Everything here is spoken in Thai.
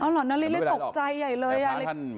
อ๋อหรอนาริสร์ตกใจใหญ่เลย